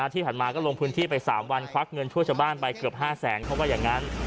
ที่ผ่านมาก็ลงพื้นที่ไป๓วันควักเงินช่วยชาวบ้านไปเกือบ๕แสนเขาว่าอย่างนั้น